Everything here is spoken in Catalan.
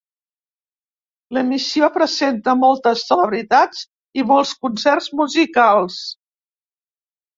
L'emissió presenta moltes celebritats i molts concerts musicals.